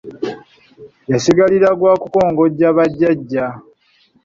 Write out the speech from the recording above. Yasigalira gw’akukongojja bajjaja.